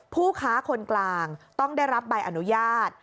ผู้ค้าคนกลางต้องได้รับใบอนุญาต